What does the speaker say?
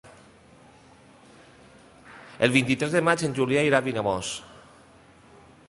El vint-i-tres de maig en Julià irà a Vilamòs.